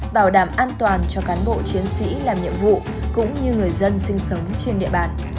bảo đảm an toàn cho cán bộ chiến sĩ làm nhiệm vụ cũng như người dân sinh sống trên địa bàn